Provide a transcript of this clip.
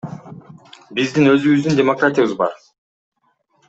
Биздин өзүбүздүн демократиябыз бар.